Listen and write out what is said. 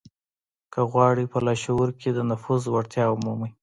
که غواړئ په لاشعور کې د نفوذ وړتيا ومومئ.